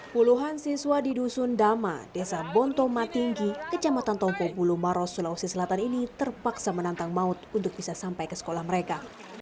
puluhan siswa di dusun dama desa bonto matinggi kejamatan toko bulumarosulawesi selatan ini terpaksa menantang maut untuk bisa sampai ke sekolah mereka